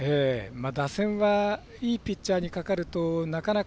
打線はいいピッチャーにかかるとなかなか。